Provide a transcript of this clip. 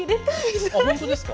あっ本当ですか？